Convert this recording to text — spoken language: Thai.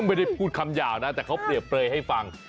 ไม่ได้พูดคำหยาบนะแต่เขาเปรียบเปลยให้ฟัง